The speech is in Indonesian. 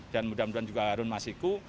dan mudah mudahan juga harun masiku